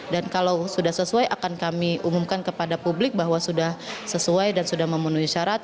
dan kalau sudah sesuai akan kami umumkan kepada publik bahwa sudah sesuai dan sudah memenuhi syarat